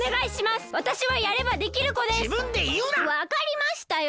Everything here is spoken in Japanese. わかりましたよ！